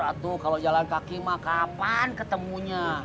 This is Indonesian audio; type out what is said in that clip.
aduh kalau jalan kaki maka kapan ketemunya